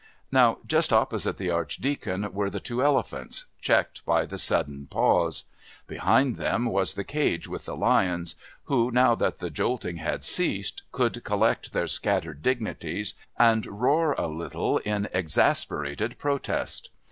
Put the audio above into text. Now, just opposite the Archdeacon were the two elephants, checked by the sudden pause. Behind them was the cage with the lions, who, now that the jolting had ceased, could collect their scattered indignities and roar a little in exasperated protest.